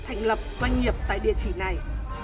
thành lập doanh nghiệp tại địa chỉ này